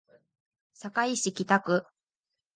堺市北区